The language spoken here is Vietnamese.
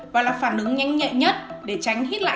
và là phản ứng nhanh nhẹ nhất để tránh hít lại